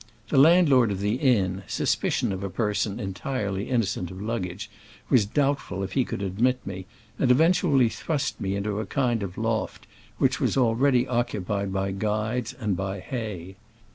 The landlord of the inn, suspicious of a person entirely innocent of luggage, was doubtful if he could admit me, and eventually thrust me into a kind of loft, which was already occupied by guides and by hay.